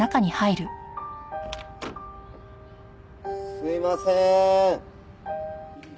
すいませーん。